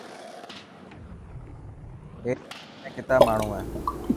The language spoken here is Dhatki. هيڪ ٽيم ۾ ڪتا ماڻهو هي.